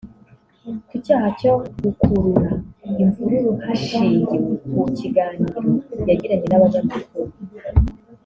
ku cyaha cyo gukurura imvururu hashingiwe ku kiganiro yagiranye n’abanyamakuru